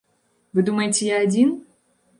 Вы думаеце я адзін?